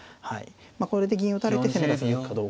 これで銀打たれて攻めが続くかどうか。